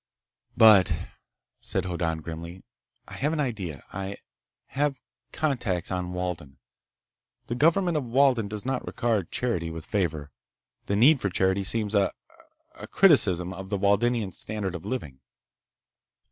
"But," said Hoddan grimly, "I have an idea. I ... ah ... have contacts on Walden. The government of Walden does not regard charity with favor. The need for charity seems a ... ah ... a criticism of the Waldenian standard of living."